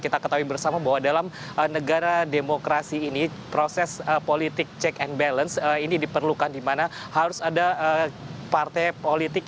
kita ketahui bersama bahwa dalam negara demokrasi ini proses politik check and balance ini diperlukan di mana harus ada partai politik